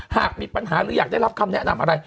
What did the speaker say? หากมีปัญหาหรืออยากได้รับคำแนะนำอะไร